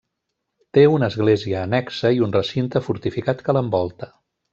Té una església annexa i un recinte fortificat que l'envolta.